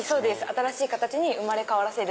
新しい形に生まれ変わらせる。